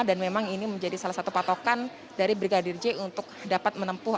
dan memang ini menjadi salah satu patokan dari brigadir j untuk dapat menempuh